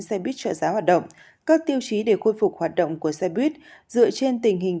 xe buýt trợ giá hoạt động các tiêu chí để khôi phục hoạt động của xe buýt dựa trên tình hình